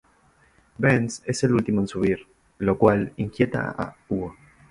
Ben es el último en subir, lo cual inquieta a Hugo.